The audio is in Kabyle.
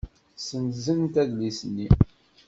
Ssenzent adlis-nni.